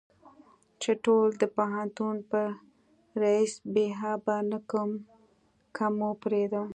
چې ټول د پوهنتون په ريس بې آبه نه کم که مو پرېدم.